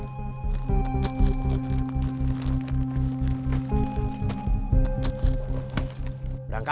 ini udah berangkat